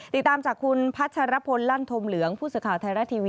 ติดตามจากคุณพัชรพลลั่นธมเหลืองผู้สื่อข่าวไทยรัฐทีวี